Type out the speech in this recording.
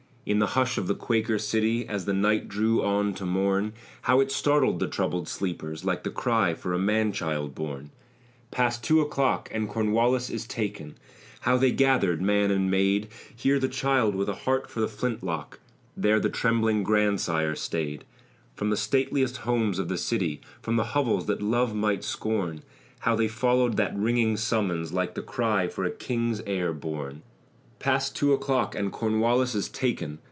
In the hush of the Quaker city, As the night drew on to morn, How it startled the troubled sleepers, Like the cry for a man child born! "Past two o'clock and Cornwallis is taken." How they gathered, man and maid, Here the child with a heart for the flint lock, There the trembling grandsire staid! From the stateliest homes of the city, From hovels that love might scorn, How they followed that ringing summons, Like the cry for a king's heir born! "Past two o'clock and Cornwallis is taken."